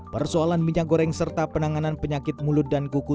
persoalan minyak goreng serta penanganan penyakit mulut dan kuku